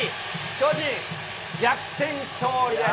巨人、逆転勝利です。